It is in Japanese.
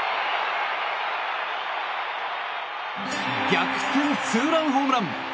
逆転ツーランホームラン！